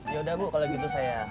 ya udah bu kalau begitu saya